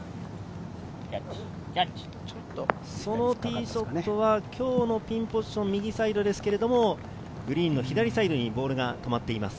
そのティーショットは、今日のピンポジション、右サイドですが、グリーンの左サイドにボールが止まっています。